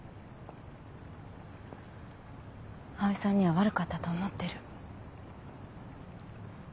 葵さんには悪かったと思ってる。